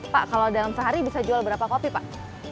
pak kalau dalam sehari bisa jual berapa kopi pak